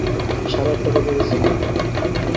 সাড়ে আটটা বেজে গেছে।